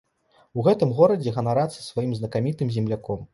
У гэтым горадзе ганарацца сваім знакамітым земляком.